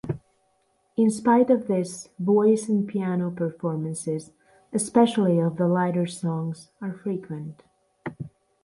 In spite of this, voice-and-piano performances, especially of the 'lighter' songs, are frequent.